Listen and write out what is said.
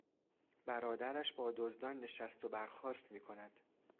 برادرش با دزدان نشست و برخاست میکند.